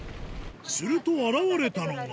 すると現れたのが。